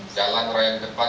jalan rayang depan